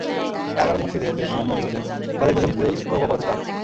কারাগার মসজিদের পেশ ইমাম মনির হোসেন তাঁদের দুজনকেই তওবা পড়াতে যান।